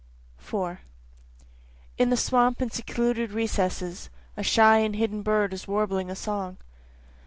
4 In the swamp in secluded recesses, A shy and hidden bird is warbling a song.